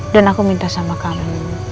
dan aku minta sama kamu